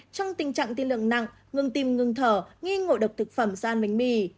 trong tình trạng tiên lượng nặng ngừng tim ngừng thở nghi ngộ độc thực phẩm do ăn bánh mì